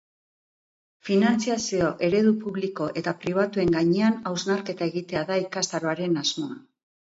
Finantziazio eredu publiko eta pribatuen gainean hausnarketa egitea da ikastaroaren asmoa.